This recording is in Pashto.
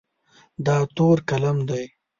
دا تور قلم دی.